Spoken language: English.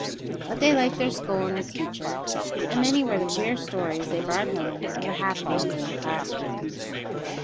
But they liked their school and the teacher, and many were the queer stories they brought home of the happenings in the classroom.